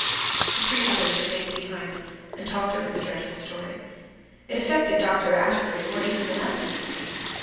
The three others remained behind, and talked over the dreadful story. It affected Dr. Atterbury more even than us, as it seemed.